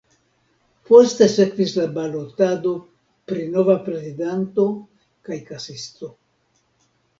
Poste sekvis la balotado pri nova prezidanto kaj kasisto.